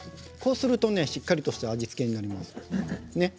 そうするとしっかりとした味付けになります。